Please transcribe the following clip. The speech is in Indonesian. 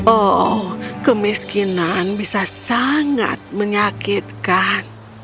oh kemiskinan bisa sangat menyakitkan